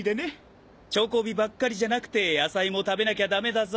チョコビばっかりじゃなくて野菜も食べなきゃダメだぞ。